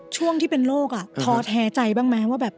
ช่วงที่เป็นโรคท้อแท้ใจบ้างไหมว่าแบบ